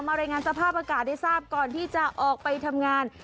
รายงานสภาพอากาศได้ทราบก่อนที่จะออกไปทำงาน